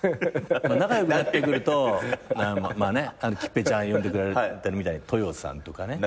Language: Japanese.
仲良くなってくると桔平ちゃん呼んでくれてるみたいにトヨさんとかね。なるほど。